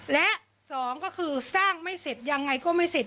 และสองก็คือสร้างไม่เสร็จยังไงก็ไม่เสร็จ